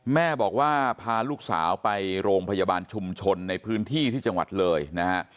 แม่บอกว่าพาลูกสาวไปโรงพยาบาลชุมชนในพื้นที่ที่จังหวัดเลยนะฮะ